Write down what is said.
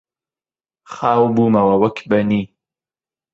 خاو بوومەوە وەک بەنی